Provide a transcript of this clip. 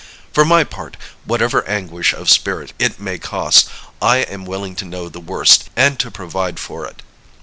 For my part, whatever anguish of spirit it may cost, I am willing to know the worst, and to provide for it.